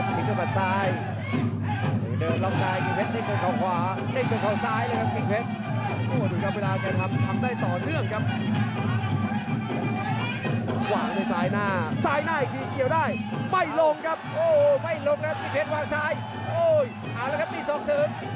พี่เพชรวางซ้ายโอ้โหหาแล้วครับนี่สองเสริม